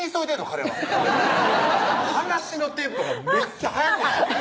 彼は話のテンポがめっちゃ速くない？